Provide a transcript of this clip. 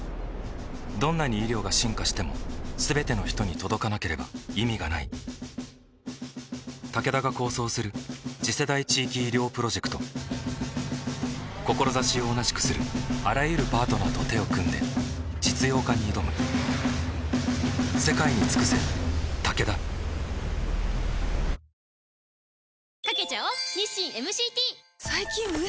どんなに医療が進化しても全ての人に届かなければ意味がないタケダが構想する次世代地域医療プロジェクト志を同じくするあらゆるパートナーと手を組んで実用化に挑むかさつきカバーにまさかのファンデ。